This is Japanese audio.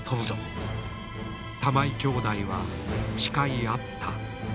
玉井兄弟は誓い合った。